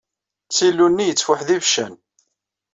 Ssilu-nni yettfuḥ d ibeccan.